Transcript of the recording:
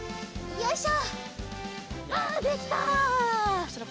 よいしょ！